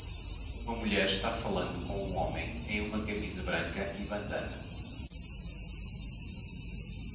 Uma mulher está falando com um homem em uma camisa branca e bandana